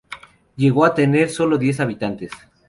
Llegó a tener solo diez habitantes.